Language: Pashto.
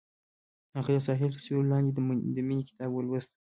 هغې د ساحل تر سیوري لاندې د مینې کتاب ولوست.